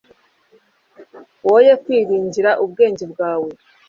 woye kwiringira ubwenge bwawe